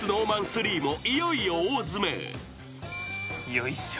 ・よいしょ。